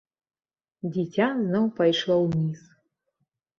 Дзіця зноў пайшло ўніз.